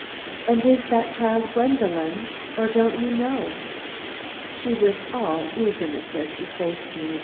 "And is that child Gwendolen? Or don't you know?" She was all eagerness as she again faced me.